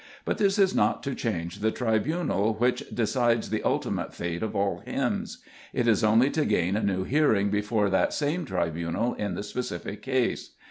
But this is not to change the tri bunal which decides the ultimate fate of all hymns. It is only to gain a new hearing before that same tribunal in the specific case.